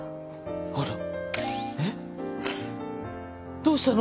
どうしたの？